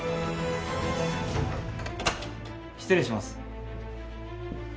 失礼します。